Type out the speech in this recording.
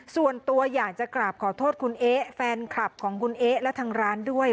ส่วนตัวอยากจะกราบขอโทษคุณเอ๊ะแฟนคลับของคุณเอ๊ะและทางร้านด้วย